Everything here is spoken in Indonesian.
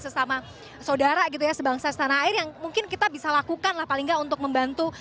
sesama saudara gitu ya sebangsa tanah air yang mungkin kita bisa lakukanlah paling untuk membantu